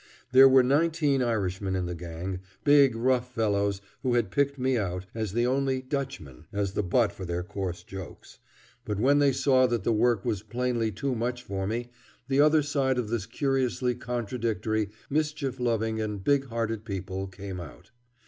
There were nineteen Irishmen in the gang big, rough fellows who had picked me out, as the only "Dutchman," as the butt for their coarse jokes; but when they saw that the work was plainly too much for me, the other side of this curiously contradictory, mischief loving, and big hearted people came out.